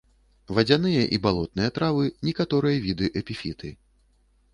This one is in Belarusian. Вадзяныя і балотныя травы, некаторыя віды эпіфіты.